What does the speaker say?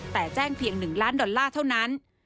แต่แจ้งเพียง๑ล้านดอลลาร์เท่านั้น